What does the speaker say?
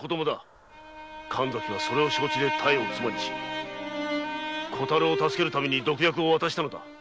神崎はそれを承知で妙を妻にし小太郎を助けるために毒薬を。